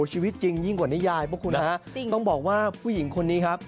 ชีวิตจริงยิ่งกว่านิยายพวกคุณฮะจริงต้องบอกว่าผู้หญิงคนนี้ครับ